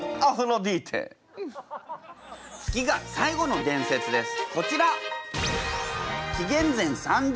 次が最後の伝説です。